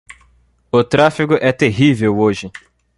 O tráfego é terrível hoje.